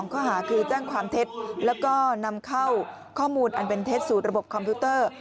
ข้อหาคือแจ้งความเท็จแล้วก็นำเข้าข้อมูลอันเป็นเท็จสู่ระบบคอมพิวเตอร์